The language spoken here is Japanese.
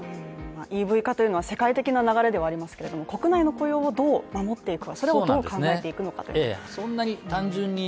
ＥＶ化というのは世界的な流れではありますけれども国内の雇用をどう守っていくか。